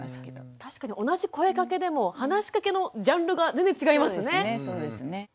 確かに同じ声かけでも話しかけのジャンルが全然違いますね。